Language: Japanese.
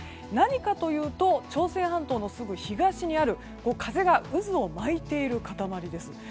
何かというと朝鮮半島のすぐ東にある風が渦を巻いている固まりです。